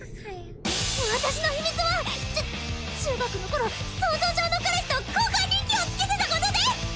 私の秘密はちゅ中学の頃想像上の彼氏と交換日記をつけてたことです